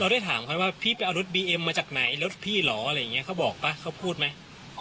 ได้ถามเขาว่าพี่ไปเอารถบีเอ็มมาจากไหนรถพี่เหรออะไรอย่างเงี้เขาบอกป่ะเขาพูดไหม